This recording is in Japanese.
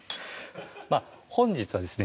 まぁ本日はですね